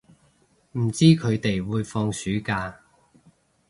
唔知佢哋會放暑假